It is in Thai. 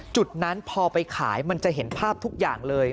จุดนั้นพอไปขายมันจะเห็นภาพทุกอย่างเลย